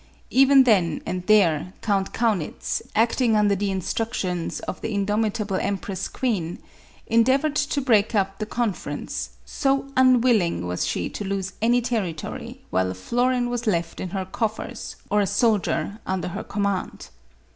Even then and there, Count Kaunitz, acting under the instructions of the in domitable empress queen, endeavored to break up the conference, so unwilling was she to lose any territory, while a florin was left in her coffers, or a soldier under her command.